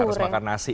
jadi harus makan nasi